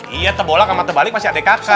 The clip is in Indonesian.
iya tebolak sama tebaling pasti ada di kapsa